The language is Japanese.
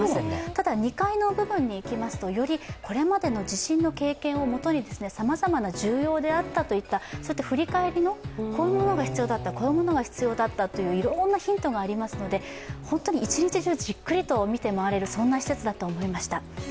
ただ２階の部分にいきますとこれまでの自身の経験をもとにさまざまな、重要であったといった、振り返りの、こういうものが必要だった、こういうものが必要だったといういろんなヒントがありますので本当に１日じゅうじっくり見て回れるそんな施設だと思いました。